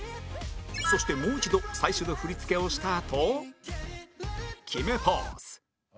そしてもう一度最初の振り付けをしたあと決めポーズ